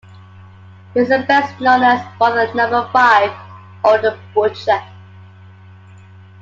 He was best known as "Brother Number Five" or "the Butcher".